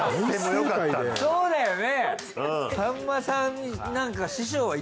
そうだよね！